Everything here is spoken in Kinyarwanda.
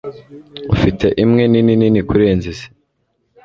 Ufite imwe nini nini kurenza izi?